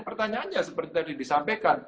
pertanyaannya seperti tadi disampaikan